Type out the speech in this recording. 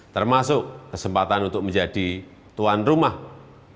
termasuk kesempatan untuk menjadi tuan rumah piala dunia